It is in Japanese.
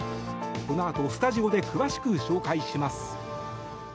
このあとスタジオで詳しく紹介します。